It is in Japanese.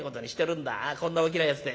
こんな大きなやつで。